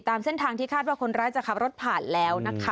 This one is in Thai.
ตามเส้นทางที่คาดว่าคนร้ายจะขับรถผ่านแล้วนะคะ